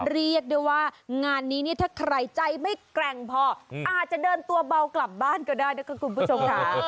เรียกได้ว่างานนี้เนี่ยถ้าใครใจไม่แกร่งพออาจจะเดินตัวเบากลับบ้านก็ได้นะคะคุณผู้ชมค่ะ